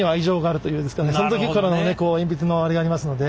その時からの鉛筆のあれがありますので。